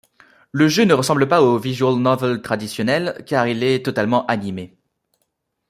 Le jeu ne ressemble pas aux visual novel traditionnel car il est totalement animé.